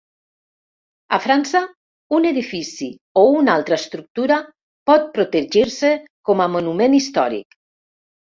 A França, un edifici o una altra estructura pot protegir-se com a monument històric.